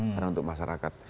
karena untuk masyarakat